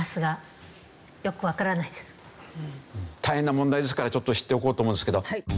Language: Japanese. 大変な問題ですからちょっと知っておこうと思うんですけど。